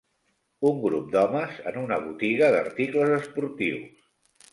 Un grup d'homes en una botiga d'articles esportius